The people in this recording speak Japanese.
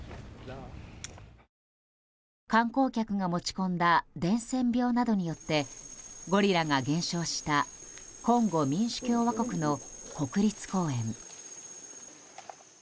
観光客が持ち込んだ伝染病などによってゴリラが減少したコンゴ民主共和国の国立公園。